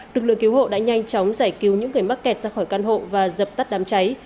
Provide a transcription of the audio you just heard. lực lượng cứu hộ đã nhanh chóng giải cứu những người mắc kẹt ra khỏi căn hộ và dập tắt đám cháy